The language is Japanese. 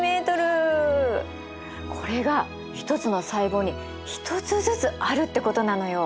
これが１つの細胞に１つずつあるってことなのよ。